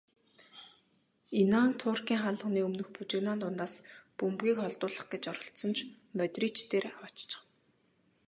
Инан Туркийн хаалганы өмнөх бужигнаан дундаас бөмбөгийг холдуулах гэж оролдсон ч Модрич дээр авааччихав.